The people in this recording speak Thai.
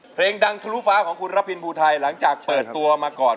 เพลงดังทะลุฟ้าของคุณระพินภูไทยหลังจากเปิดตัวมาก่อน